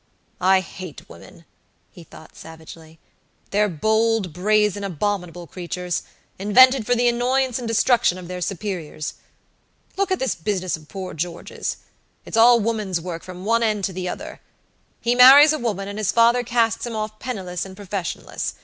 "I hate women," he thought, savagely. "They're bold, brazen, abominable creatures, invented for the annoyance and destruction of their superiors. Look at this business of poor George's! It's all woman's work from one end to the other. He marries a woman, and his father casts him off penniless and professionless.